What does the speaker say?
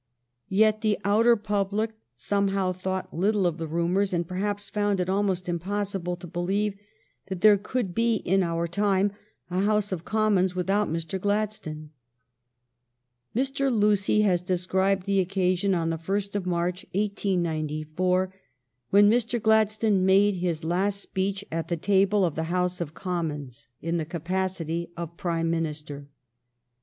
Yet the outer public somehow thought little of the rumors, and perhaps found it almost impossible to believe that there could be in our time a House of Commons without Mr. Gladstone. Mr. Lucy has described the occasion, on the first of March, 1894, when Mr. Gladstone made his last speech at the table of the House of Commons "THE LONG DAVS TASK IS DONE" 385 in the capacity of Prime Minister.